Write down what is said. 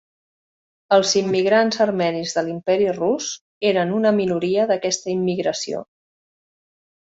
Els immigrants armenis de l'Imperi Rus eren una minoria d'aquesta immigració.